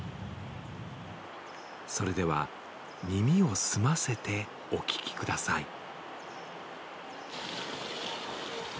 それでは耳を澄ませてお聴きください。